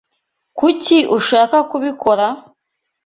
Kuki ushaka kubikora?